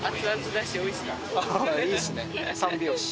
いいですね三拍子。